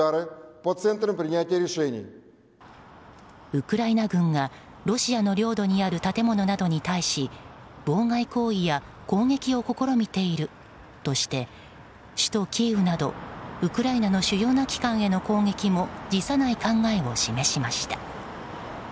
ウクライナ軍がロシアの領土にある建物などに対し妨害行為や攻撃を試みているとして首都キーウなどウクライナの主要な機関への攻撃も辞さない考えを示しました。